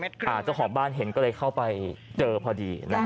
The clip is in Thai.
เจ้าของบ้านเห็นก็เลยเข้าไปเจอพอดีนะฮะ